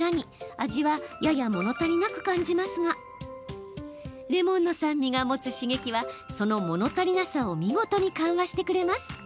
味はややもの足りなく感じますがレモンの酸味が持つ刺激はその、もの足りなさを見事に緩和してくれます。